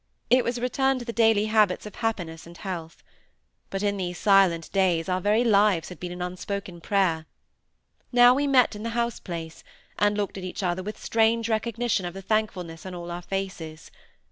It was a return to the daily habits of happiness and health. But in these silent days our very lives had been an unspoken prayer. Now we met in the house place, and looked at each other with strange recognition of the thankfulness on all our faces.